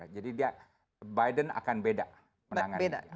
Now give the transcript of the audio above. jadi biden akan beda menangani